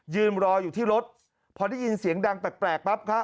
ยืนรออยู่ที่รถพอได้ยินเสียงดังแปลกปั๊บคะ